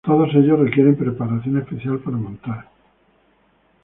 Todos ellos requieren preparaciones especiales para montar.